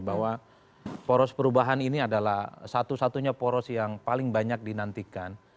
bahwa poros perubahan ini adalah satu satunya poros yang paling banyak dinantikan